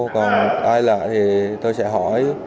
còn ai lạ thì tôi sẽ hỏi